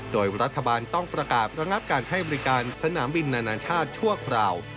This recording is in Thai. โดยรัฐบาลต้องประกาศระงับการให้บริการสนามบินนานาชาติชั่วคราว